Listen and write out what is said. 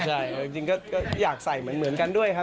ใช่จริงก็อยากใส่เหมือนกันด้วยครับ